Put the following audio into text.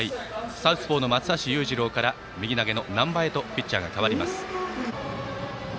サウスポーの松橋裕次郎から右投げの難波へとピッチャーが代わります。